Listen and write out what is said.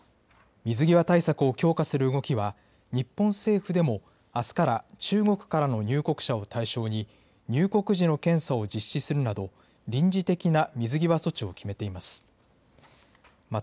水際対策を強化する動きは、日本政府でもあすから中国からの入国者を対象に、入国時の検査を実施するなど、臨時的な水際措置を決めています。